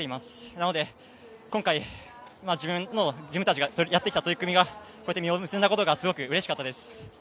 なので、今回、自分たちがやってきた取り組みがこうやって実を結んだことがすごくうれしかったです。